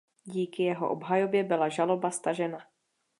Díky jeho obhajobě byla žaloba stažena.